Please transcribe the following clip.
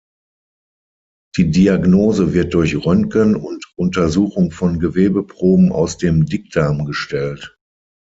Die Diagnose wird durch Röntgen und Untersuchung von Gewebeproben aus dem Dickdarm gestellt.